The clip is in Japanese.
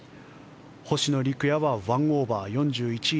星野陸也は１オーバー４１位